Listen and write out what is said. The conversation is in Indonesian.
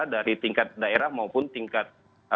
dari tingkat daerah maupun tingkat